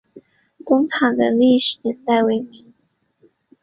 东塔的历史年代为明。